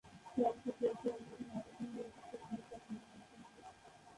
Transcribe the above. চলচ্চিত্র উৎসবের প্রধান আকর্ষণ হয়ে উঠেছে পুরস্কার প্রদান অনুষ্ঠানটি।